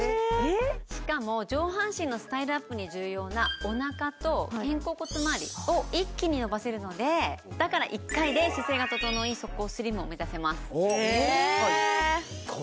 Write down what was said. しかも上半身のスタイルアップに重要なおなかと肩甲骨回りを一気に伸ばせるのでだから１回で姿勢が整い即効スリムを目指せます。